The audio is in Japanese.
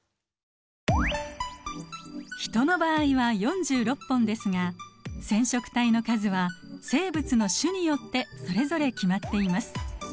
ヒトの場合は４６本ですが染色体の数は生物の種によってそれぞれ決まっています。